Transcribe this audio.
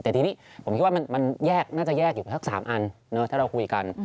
แต่ทีนี้ผมคิดว่ามันน่าจะแยกอยู่สัก๓อันถ้าเราคุยกัน